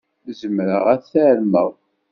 Zemreɣ ad t-armeɣ?